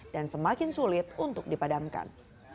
semakin sulit untuk dipadamkan